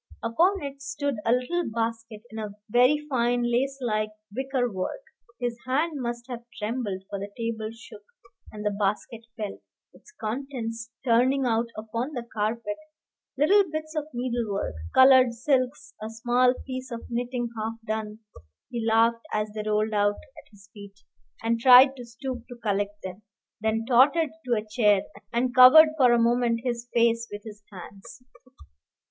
Upon it stood a little basket in very fine lace like wicker work. His hand must have trembled, for the table shook, and the basket fell, its contents turning out upon the carpet, little bits of needlework, colored silks, a small piece of knitting half done. He laughed as they rolled out at his feet, and tried to stoop to collect them, then tottered to a chair, and covered for a moment his face with his hands.